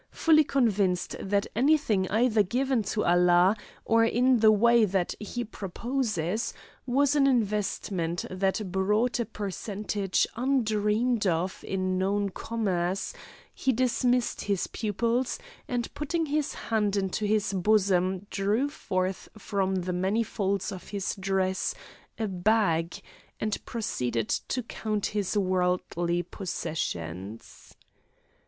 Fully convinced that anything either given to Allah, or in the way that He proposes, was an investment that brought a percentage undreamed of in known commerce, he dismissed his pupils, and putting his hand into his bosom drew forth from the many folds of his dress a bag, and proceeded to count his worldly possessions.